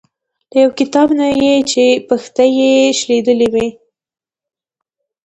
له یو کتاب نه یې چې پښتۍ یې شلیدلې وه.